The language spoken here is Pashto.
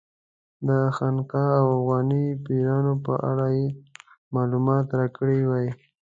د خانقا او افغاني پیرانو په اړه یې معلومات راکړي وای.